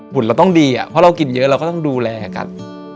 เราต้องดีเพราะเรากินเยอะเราก็ต้องดูแลกัน